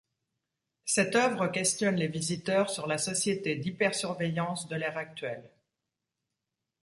Cette œuvre questionne les visiteurs sur la société d’hypersurveillance de l’ère actuelle.